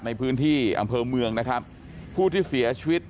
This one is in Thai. ในพื้นที่อำเภอเมืองนะครับผู้ที่เสียชีวิต